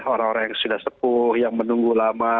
orang orang yang sudah sepuh yang menunggu lama